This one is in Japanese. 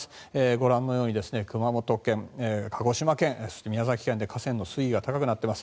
ご覧のように熊本県、鹿児島県そして宮崎県で河川の水位が高くなっています。